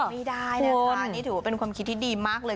ไม่ได้นะคะนี่ถือว่าเป็นความคิดที่ดีมากเลย